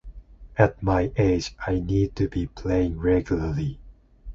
At my age I need to be playing regularly.